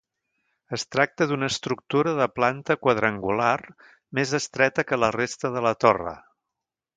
Es tracta d'una estructura de planta quadrangular, més estreta que la resta de la torre.